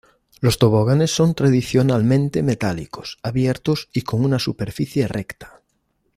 Los toboganes son tradicionalmente metálicos, abiertos y con una superficie recta.